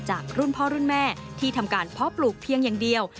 จากรุ่นพ่อรุ่นแม่ที่ทำการเพาะปลูกเพียงอย่างเดียว